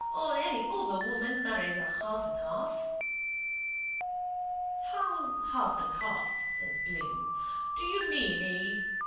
Or any other woman marries a half and half. —How half and half? says Bloom. Do you mean he...